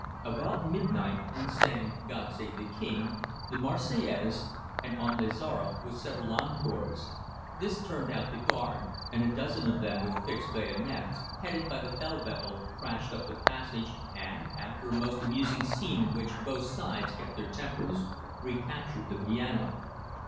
About midnight we sang "God Save the King," the "Marseillaise," and "On les aura," with several encores. This turned out the guard, and a dozen of them with fixed bayonets, headed by the Feldwebel, crashed up the passage and, after a most amusing scene in which both sides kept their tempers, recaptured the piano.